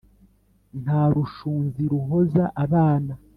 nta rushunzi ruhoza abana